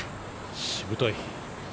しぶとい。